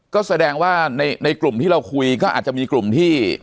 ก็แสดงว่าในกลุ่มที่เราคุยก็อาจจะมีกลุ่มที่